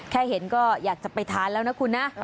แค่เห็นก็อยากจะไปทานแล้วนะคุณนะ